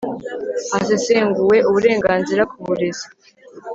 hasesenguwe uburenganzira ku burezi